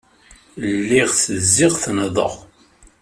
Lliɣ ttezziɣ, ttennḍeɣ.